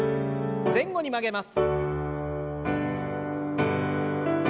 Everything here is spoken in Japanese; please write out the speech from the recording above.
前後に曲げます。